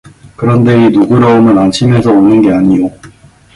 그런데 이 누그러움은 안심에서 오는 게 아니요